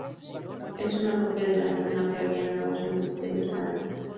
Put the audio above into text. Es una copia de la misma que había en Nuevos Ministerios, Madrid.